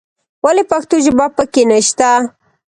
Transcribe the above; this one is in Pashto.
ولې پښتو ژبه په کې نه شته.